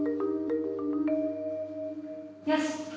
よし。